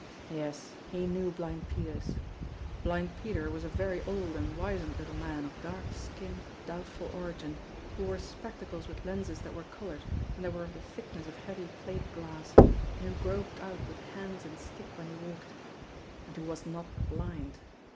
Yes, he knew Blind Peter's ! Blind Peter was a very old and wizened little man of dark skinned, doubtful origin, who wore spectacles with lenses that were coloured and that were of the thickness of heavy plate glass, and who groped out with hands and stick when he walked and who was not blind.